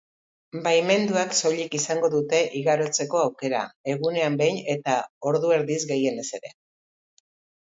Baimenduak soilik izango dute igarotzeko aukera, egunean behin eta ordu erdiz gehienez ere